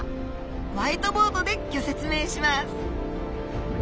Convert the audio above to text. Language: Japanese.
ホワイトボードでギョ説明します！